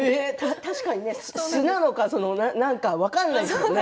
確かに素なのか何なのか分からないですね。